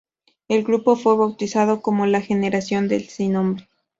El grupo fue bautizado como la "generación sin nombre.